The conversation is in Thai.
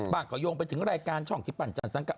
บางคนโยงไปถึงรายการช่องที่ปั้นจังสังการณ์